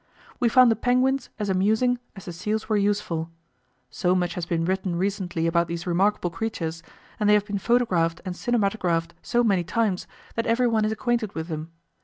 We found the penguins as amusing as the seals were useful. So much has been written recently about these remarkable creatures, and they have been photographed and cinematographed so many times, that everyone is acquainted with them.